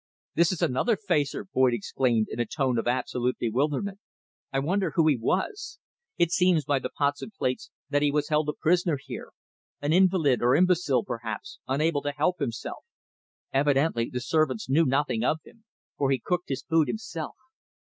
"This is another facer!" Boyd exclaimed in a tone of absolute bewilderment. "I wonder who he was? It seems by the pots and plates that he was held a prisoner here an invalid or imbecile, perhaps, unable to help himself. Evidently the servants knew nothing of him, for he cooked his food himself.